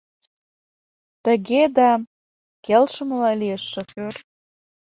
— Тыге да... — келшымыла лиеш шофёр.